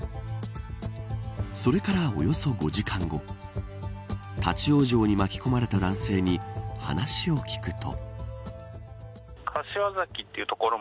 それからおよそ５時間後立ち往生に巻き込まれた男性に話を聞くと。